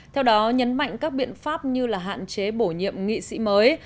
theo đó nhấn mạnh các biện pháp như là hạn chế bổ nhiệm nghị sĩ mới